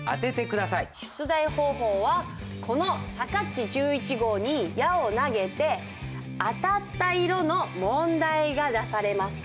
出題方法はこのさかっち１１号に矢を投げて当たった色の問題が出されます。